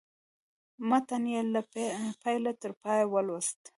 متن یې له پیله تر پایه ولوست.